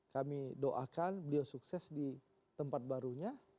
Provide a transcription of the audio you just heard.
kami doakan beliau sukses di tempat barunya